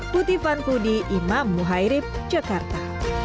puti fanfudi imam muhairib jakarta